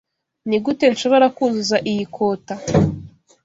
Nigute nshobora kuzuza iyi kota?